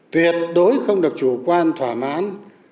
tuyệt đối không được chủ quan thỏa mãn